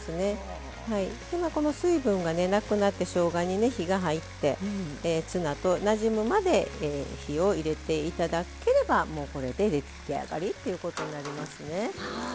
今この水分がなくなってしょうがに火が入ってツナとなじむまで火を入れて頂ければもうこれで出来上がりということになりますね。